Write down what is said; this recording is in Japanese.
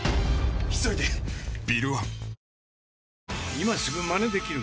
今すぐマネできる！